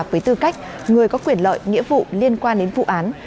với tư cách người có quyền lợi nghĩa vụ liên quan đến vụ án